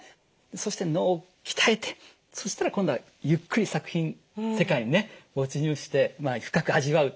そして脳を鍛えてそしたら今度はゆっくり作品世界にね没入して深く味わう。